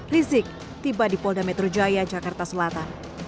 rizik tiba di polda metro jaya jakarta selatan